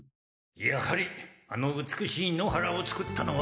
やはりあの美しい野原をつくったのは。